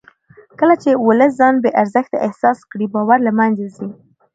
کله چې ولس ځان بې ارزښته احساس کړي باور له منځه ځي